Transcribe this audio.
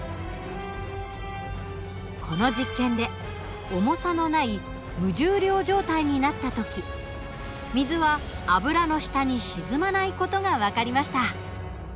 この実験で重さのない無重量状態になった時水は油の下に沈まない事が分かりました。